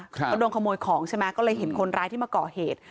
เขาโดนขโมยของใช่ไหมก็เลยเห็นคนร้ายที่มาก่อเหตุ